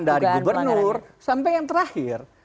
dari gubernur sampai yang terakhir